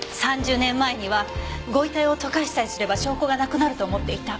３０年前には御遺体を溶かしさえすれば証拠がなくなると思っていた。